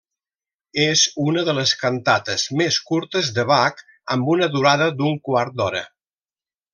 És una de les cantates més curtes de Bach amb una durada d'un quart d'hora.